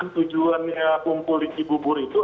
tujuannya kumpul di cibubur itu